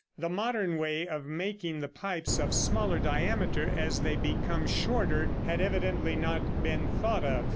The modern way of making the pipes of smaller diameter as they become shorter, had evidently not been thought of.